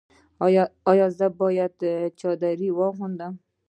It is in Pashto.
ایا زه باید چادري واغوندم؟